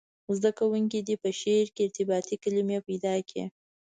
زده کوونکي دې په شعر کې ارتباطي کلمي پیدا کړي.